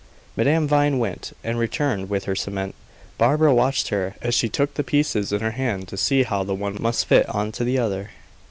Madame Vine went, and returned with her cement. Barbara watched her, as she took the pieces in her hand, to see how the one must fit on to the other.